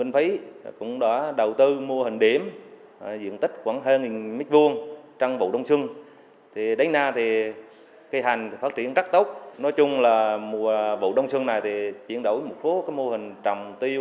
phát triển rất tốt nói chung là vụ đông xuân này thì chuyển đổi một số mô hình trồng tiêu